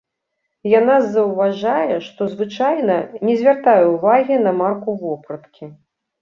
Яна заўважае, што звычайна не звяртае ўвагі на марку вопраткі.